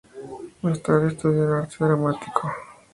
Más tarde estudió arte dramático con Jean-Laurent Cochet.